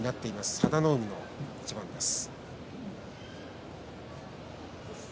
佐田の海の一番です。